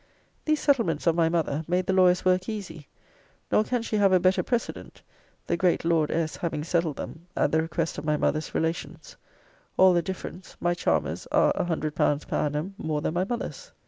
These settlements of my mother made the lawyer's work easy; nor can she have a better precedent; the great Lord S. having settled them, at the request of my mother's relations; all the difference, my charmer's are 100l. per annum more than my mother's.